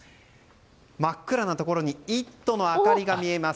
真っ暗なところに「イット！」の明かりが見えます。